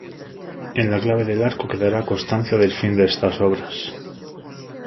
En la clave del arco quedará constancia del fin de estas obras.